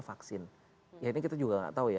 vaksin ya ini kita juga gak tau ya